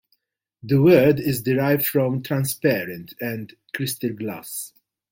The word is derived from "transparent" and "crystal, glass".